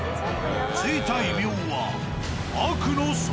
付いた異名は。